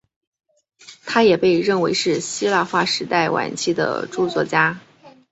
他也被认为是希腊化时代晚期的着作家。